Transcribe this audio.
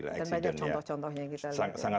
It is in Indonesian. dan banyak contoh contohnya